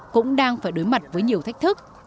cũng đang phải đối mặt với nhiều thách thức